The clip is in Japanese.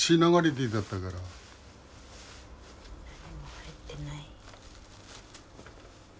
何も入ってない。